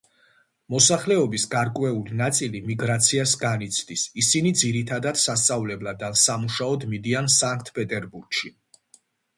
მოსახლეობის გარკვეული ნაწილი მიგრაციას განიცდის, ისინი ძირითადად სასწავლებლად ან სამუშაოდ მიდიან სანქტ-პეტერბურგში.